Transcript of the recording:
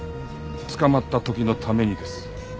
捕まった時のためにです。